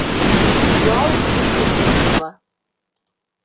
Ял өс көндән һуң була.